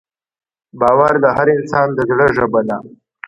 باور د هر انسان د زړه ژبه ده.